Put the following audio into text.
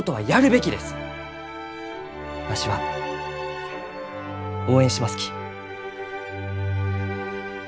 わしは応援しますき。